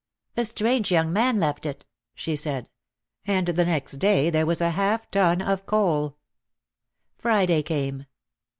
"A strange young man left it," she said, and the next day there was a half ton of coal. Friday came.